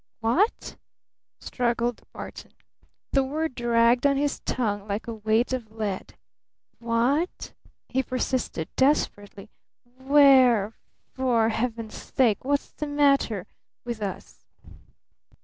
"Wha ght?" struggled Barton. The word dragged on his tongue like a weight of lead. "Wha ght?" he persisted desperately. "Wh ere? For Heaven's sake wha ght's the matter with us?"